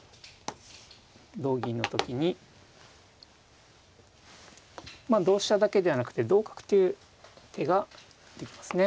同銀の時に同飛車だけではなくて同角という手ができますね。